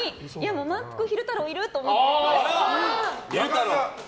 まんぷく昼太郎いる！って思って。